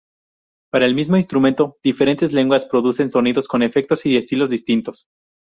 Para el mismo instrumento, diferentes lengüetas producen sonidos con efectos y estilos distintos.